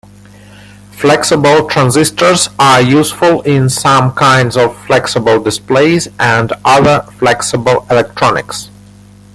Flexible transistors are useful in some kinds of flexible displays and other flexible electronics.